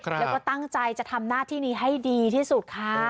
แล้วก็ตั้งใจจะทำหน้าที่นี้ให้ดีที่สุดค่ะ